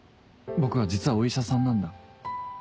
僕は実はお医者さんなんだ。